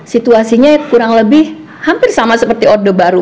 situasinya kurang lebih hampir sama seperti orde baru